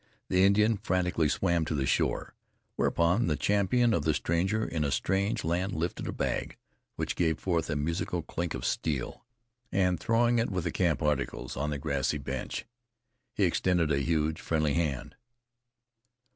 The Indian frantically swam to the shore. Whereupon the champion of the stranger in a strange land lifted a bag, which gave forth a musical clink of steel, and throwing it with the camp articles on the grassy bench, he extended a huge, friendly hand.